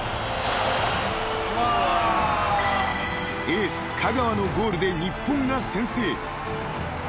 ［エース香川のゴールで日本が先制］